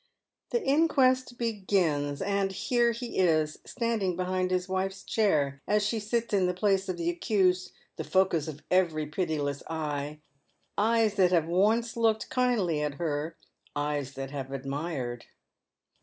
The inquest begins, and here he is, standing behind his wife'' chair as she sits in the place of the accused, the focus of every pitiless eye, eyes that have once looked kindly at her, eyes tha' have admired.